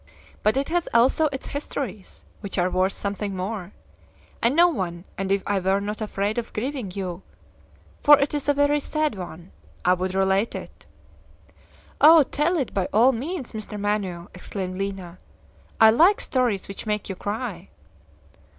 But it has also its histories, which are worth something more. I know one, and if I were not afraid of grieving you for it is a very sad one I would relate it." "Oh! tell it, by all means, Mr. Manoel," exclaimed Lina; "I like stories which make you cry!"